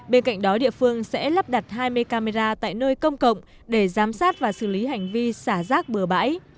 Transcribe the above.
bên cạnh đó địa phương sẽ lắp đặt hai mươi camera tại nơi công cộng để giám sát và xử lý hành vi xả rác bừa bãi